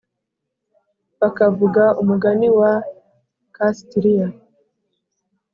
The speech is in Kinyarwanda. bakavuga umugani wa castilian